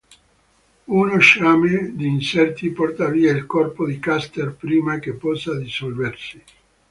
Uno sciame di insetti porta via il corpo di Caster prima che possa dissolversi.